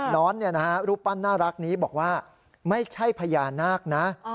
้อนรูปปั้นน่ารักนี้บอกว่าไม่ใช่พญานาคนะ